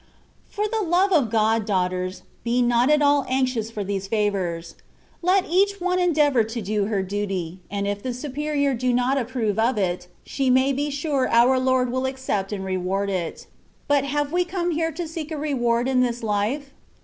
For the love of God, daughters, be not at all anxious for these favours : let each one endeavour to do her duty, and if the superior do not approve of it, she may be sure our Lord will accept and reward it. But have we come here to seek a re ward in this life